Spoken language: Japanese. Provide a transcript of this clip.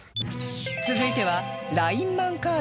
続いては